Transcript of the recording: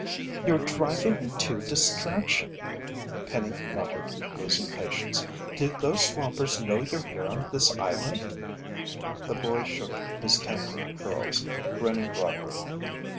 "You're driving me to distraction!" Penny muttered, losing patience. "Do those swampers know you're here on the island?" The boy shook his tangled curls, grinning broadly.